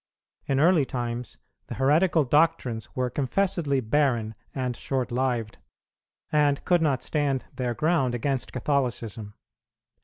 In early times the heretical doctrines were confessedly barren and short lived, and could not stand their ground against Catholicism.